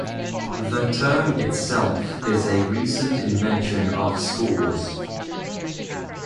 The term itself is a recent invention of scholars.